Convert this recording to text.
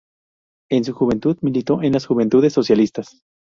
En su juventud militó en las "Juventudes Socialistas".